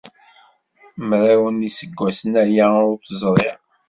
Mraw n yiseggasen aya ur t-ẓriɣ.